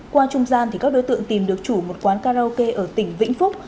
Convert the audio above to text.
qua trung gian các đối tượng tìm được chủ một quán karaoke ở tỉnh vĩnh phúc